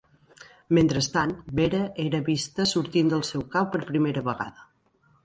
Mentrestant, Vera era vista sortint del seu cau per primera vegada.